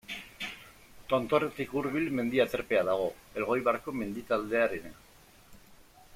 Tontorretik hurbil mendi-aterpea dago, Elgoibarko mendi taldearena.